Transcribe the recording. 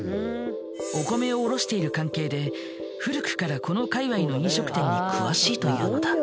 お米を卸している関係で古くからこの界わいの飲食店に詳しいというのだ。